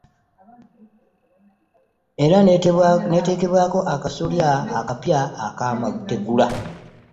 Era n'eteekebwako akasolya akapya ak'amategula